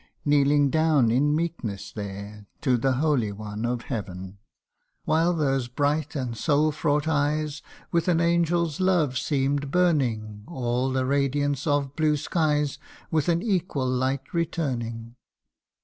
Kneeling down in meekness there To the Holy One of Heaven ; While those bright and soul fraught eyes With an angel's love seem'd burning, All the radiance of blue skies With an equal light returning.